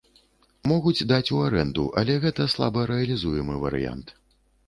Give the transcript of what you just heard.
Могуць даць у арэнду, але гэта слабарэалізуемы варыянт.